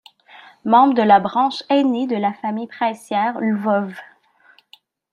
Membre de la branche aînée de la famille princière Lvov.